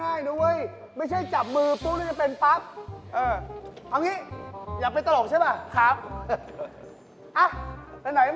อย่าเป็นตลกมุกแรกเอาไปเลยเอาแบบนี้ด้วย